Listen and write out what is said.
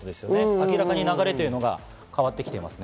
明らかに流れが変わってきています。